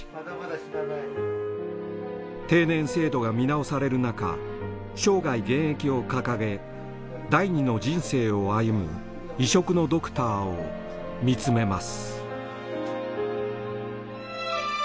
定年制度が見直されるなか生涯現役を掲げ第二の人生を歩む異色のドクターを見つめます。